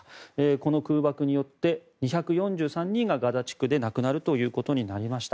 この空爆によって２４３人がガザ地区で亡くなるということになりました。